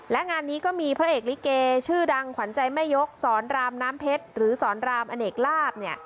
และงานนี้ก็มีพระเอกลิเกชื่อดังขวัญใจแม่ยกสอนรามน้ำเพชรหรือสอนรามอเนกลาบเนี่ย